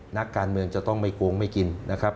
นักการเมืองจะต้องไม่โกงไม่กินนะครับ